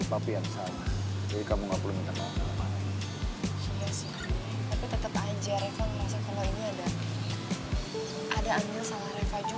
kayaknya gue kena deh